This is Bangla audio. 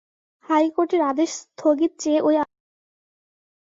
হাইকোর্টের আদেশ স্থগিত চেয়ে ওই আবেদন করা হয়।